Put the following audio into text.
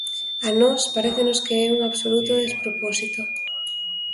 A nós parécenos que é un absoluto despropósito.